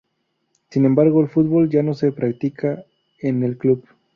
Sin embargo, el fútbol ya no se practica en el club.